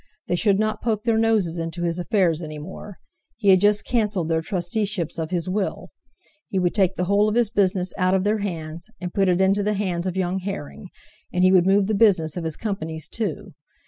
They should not poke their noses into his affairs any more; he had just cancelled their trusteeships of his Will; he would take the whole of his business out of their hands, and put it into the hands of young Herring, and he would move the business of his Companies too.